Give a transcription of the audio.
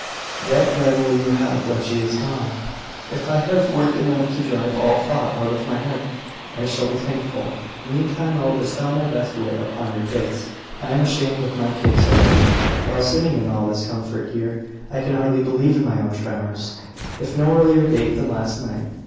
"What then will you have, when she is gone?" "If I have work enough to drive all thought out of my head, I shall be thankful. Meantime, I will bestow my best wit upon your case." "I am ashamed of my case already. While sitting in all this comfort here, I can hardly believe in my own tremors, of no earlier date than last night.